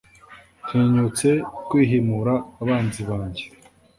ntinyutse kwihimura abanzi banjye